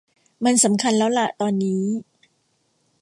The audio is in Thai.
มันสำคัญแล้วล่ะตอนนี้